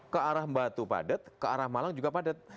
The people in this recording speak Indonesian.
ke arah batu padat ke arah malang juga padat